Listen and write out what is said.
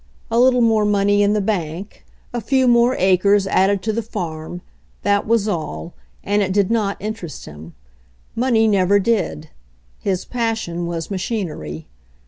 A little more money in the bank, a few more 52 LURE OF THE MACHINE SHOPS 53 acres added to the farm — that was all, and it did not interest him. Money never did. His pas sion was machinery.